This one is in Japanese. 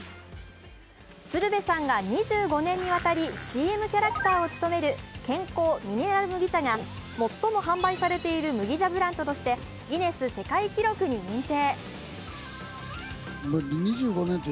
鶴瓶さんが２５年にわたりＣＭキャラクターを務める健康ミネラル麦茶が最も販売されている麦茶ブランドとしてギネス世界記録に認定。